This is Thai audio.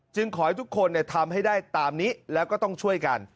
ขอให้ทุกคนทำให้ได้ตามนี้แล้วก็ต้องช่วยกัน